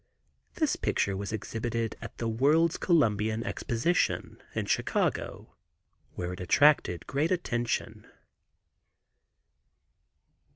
This picture was exhibited at the World's Columbian Exposition, in Chicago, where it attracted great attention.